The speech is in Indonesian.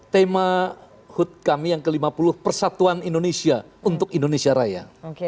tema hut kami yang ke lima puluh persatuan indonesia untuk indonesia raya